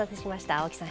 青木さん